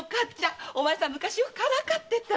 昔お前さんがよくからかってた。